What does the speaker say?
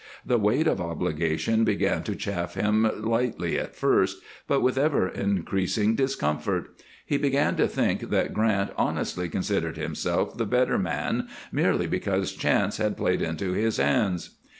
The weight of obligation began to chafe him, lightly at first, but with ever increasing discomfort. He began to think that Grant honestly considered himself the better man, merely because chance had played into his hands.